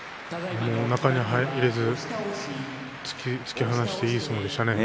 中に入れず突き放して、いい相撲でしたね。